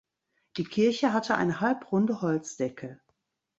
Die Kirche hatte eine halbrunde Holzdecke.